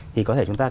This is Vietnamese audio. thì có thể chúng ta